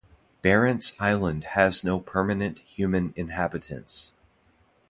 Barents Island has no permanent human inhabitants.